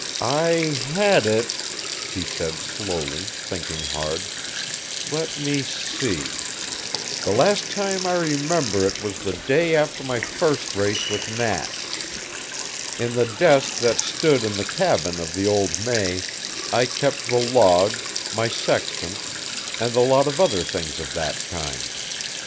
"I had it," he said slowly, thinking hard; "let me see: the last time I remember it was the day after my first race with Nat. In the desk that stood in the cabin of the old May I kept the log, my sextant, and a lot of other things of that kind.